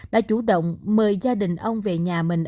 đã chủ động mời gia đình ông về nhà mình